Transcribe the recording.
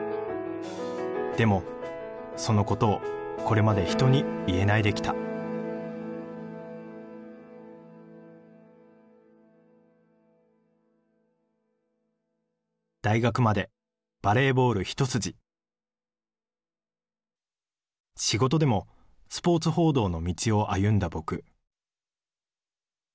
でもそのことをこれまで人に言えないできた大学までバレーボールひと筋仕事でもスポーツ報道の道を歩んだ僕